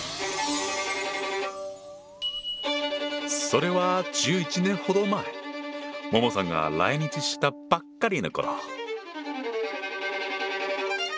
それは１１年ほど前ＭＯＭＯさんが来日したばっかりの頃。